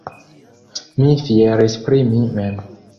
Mi fieris pri mi mem!